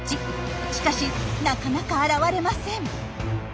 しかしなかなか現れません。